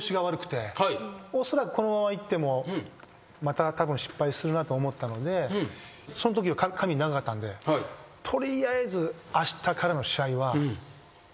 おそらくこのままいってもまた失敗するなと思ったのでそのときは髪長かったんで取りあえずあしたからの試合は。